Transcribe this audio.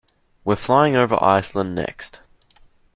We're flying over Iceland next.